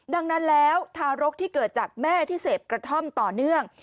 ดังนั้นแล้วทารกที่เกิดจากแม่ที่เสพกระท่อมต่อเนื่อง